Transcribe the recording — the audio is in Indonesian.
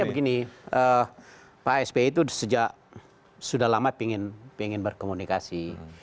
sebenarnya begini pak sp itu sudah lama ingin berkomunikasi